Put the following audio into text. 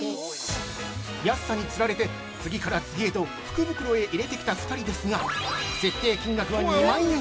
◆安さに釣られて、次から次へと福袋へ入れてきた２人ですが、設定金額は２万円。